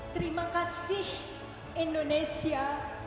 terima kasih indonesia